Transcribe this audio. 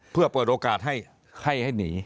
เพื่อประโยคการณ์ให้ให้ให้หนี